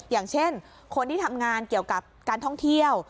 อย่างเช่นคนที่ทำงานเกี่ยวกับการท่องเที่ยว